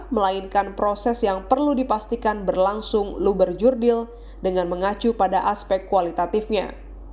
melainkan proses yang perlu dipastikan berlangsung luberjurdil dengan mengacu pada aspek kualitatifnya